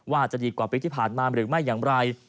ว่าจะดีกว่าปีที่ผ่านมาหรือไม่อย่างไร